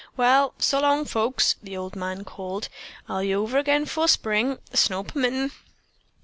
"'Well, so long, folks!' the old man called, 'I'll be over agin 'fore spring, the snow permittin'.'